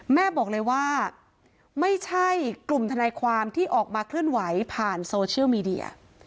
แม่บอกเลยว่าไม่ใช่กลุ่มทนายความที่ออกมาเคลื่อนไหวผ่านโซเชียลมีเดีย